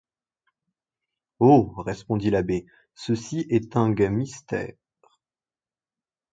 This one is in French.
Ho! respondit l’abbé, cecy est ung mystère.